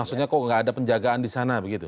maksudnya kok nggak ada penjagaan di sana begitu